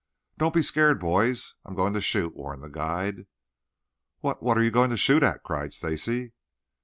"Don't be scared, boys. I'm going to shoot," warned the guide. "Wha what are you going to shoot at?" cried Stacy.